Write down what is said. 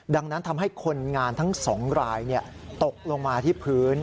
ดังนั้นทำให้คนงานทั้ง๒รายตกลงมาที่พื้น